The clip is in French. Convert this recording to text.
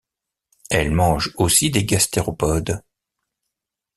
Elle mange aussi des gastéropodes.